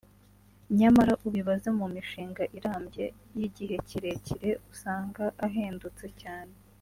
nyamara ubibaze mu mishinga irambye (y’igihe kirerkire) usanga ahendutse cyane